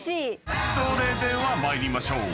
［それでは参りましょう。